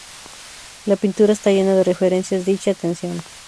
La pintura está llena de referencias dicha tensión.